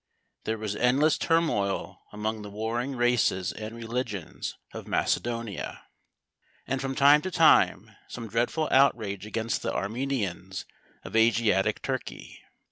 There was endless turmoil among the warring races and religions of Macedonia, and from time to time some dreadful outrage against the Armenians of Asiatic Turkey.